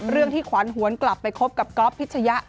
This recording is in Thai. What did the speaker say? ที่ขวัญหวนกลับไปคบกับก๊อฟพิชยะ